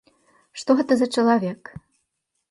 Што гэта за чалавек?